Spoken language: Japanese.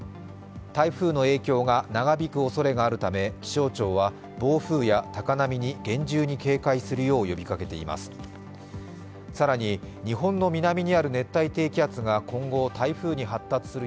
台風の影響が長引くおそれがあるため気象庁は暴風や高波に厳重に警戒するよう呼びかけています。